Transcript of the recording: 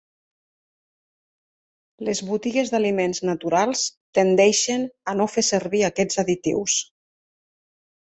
Les botigues d'aliments naturals tendeixen a no fer servir aquests additius.